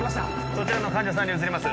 そちらの患者さんに移ります